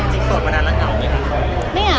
จริงสดมานานละเหงาไหมคะ